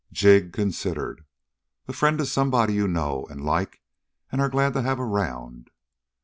Jig considered. "A friend is somebody you know and like and are glad to have around."